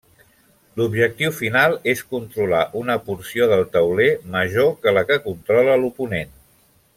L'objectiu final és controlar una porció del tauler major que la que controla l'oponent.